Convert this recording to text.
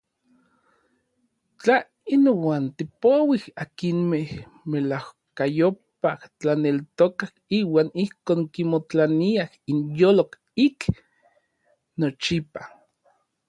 Tla inuan tipouij akinmej melajkayopaj tlaneltokaj iuan ijkon kimotlaniaj inyolo ik nochipa.